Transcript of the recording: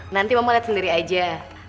nanti mama lihat sendiri aja